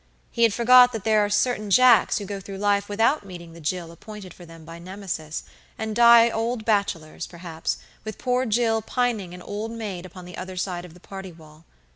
He had forgot that there are certain Jacks who go through life without meeting the Jill appointed for them by Nemesis, and die old bachelors, perhaps, with poor Jill pining an old maid upon the other side of the party wall.